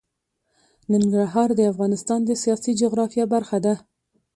ننګرهار د افغانستان د سیاسي جغرافیه برخه ده.